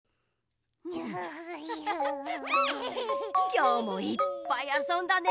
きょうもいっぱいあそんだね。